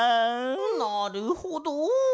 なるほど。